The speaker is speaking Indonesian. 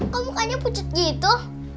kok mukanya pucet gitu